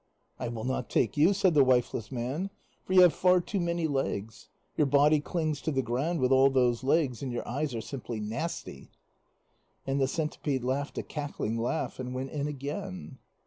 "I will not take you," said the wifeless man, "for you have far too many legs. Your body clings to the ground with all those legs, and your eyes are simply nasty." And the centipede laughed a cackling laugh and went in again.